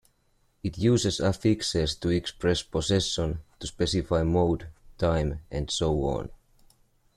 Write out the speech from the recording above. It uses affixes to express possession, to specify mode, time, and so on.